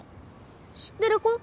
知ってる子？